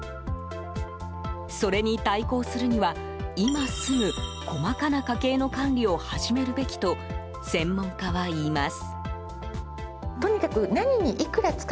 それに対抗するには今すぐ、細かな家計の管理を始めるべきと専門家はいいます。